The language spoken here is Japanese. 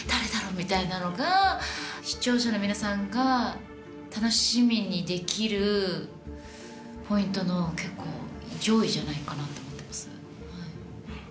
みたいなのが視聴者の皆さんが楽しみにできるポイントの結構上位じゃないかなって思ってます。